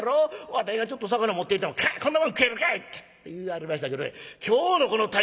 わてがちょっと魚持っていっても『こんなもん食えるかい！』言わはりましたけどね今日のこの鯛は自信がおまんねん」。